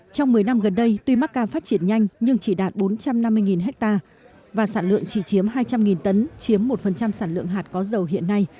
trong một mươi năm gần đây tuy macca phát triển nhanh nhưng chỉ đạt bốn trăm năm mươi ha và sản lượng chỉ chiếm hai trăm linh tấn chiếm một sản lượng hạt có dầu hiện nay